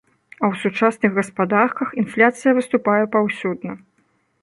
А ў сучасных гаспадарках інфляцыя выступае паўсюдна.